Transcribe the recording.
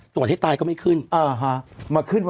ตรวจให้ตายก็ไม่ขึ้นมา